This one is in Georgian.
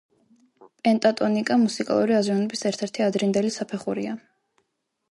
პენტატონიკა მუსიკალური აზროვნების ერთ-ერთი ადრინდელი საფეხურია.